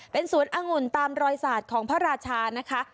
เป็นศูนย์อังุ่นตามรอยสาดของพระราชานะคะ